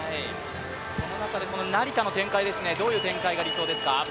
その中で成田の展開ですね、どういう展開が理想ですか？